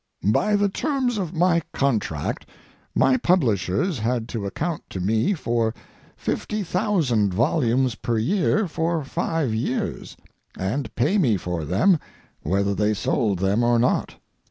By the terms of my contract my publishers had to account to me for 50,000 volumes per year for five years, and pay me for them whether they sold them or not.